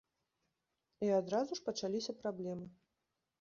І адразу ж пачаліся праблемы.